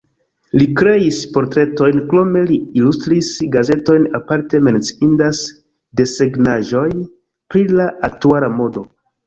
Li kreis portretojn, krome li ilustris gazetojn, aparte menciindas desegnaĵoj pri la aktuala modo.